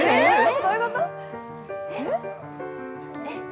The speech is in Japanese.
どういうこと？